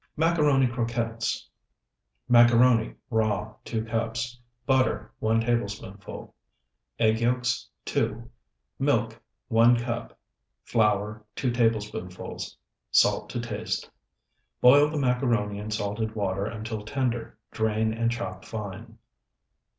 MACARONI CROQUETTES Macaroni, raw, 2 cups. Butter, 1 tablespoonful. Egg yolks, 2. Milk, 1 cup. Flour, 2 tablespoonfuls. Salt to taste. Boil the macaroni in salted water until tender, drain, and chop fine.